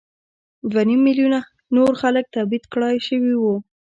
دوه نیم میلیونه نور خلک تبعید کړای شوي وو.